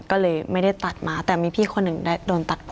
ก็เลยไม่ได้ตัดมาแต่มีพี่คนหนึ่งได้โดนตัดคอ